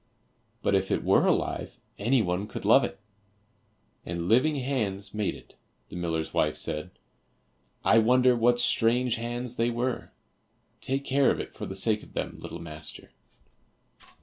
"But if it were alive, anyone could love it." "And living hands made it," the miller's wife said. "I wonder what strange hands they were; take care of it for the sake of them, little master."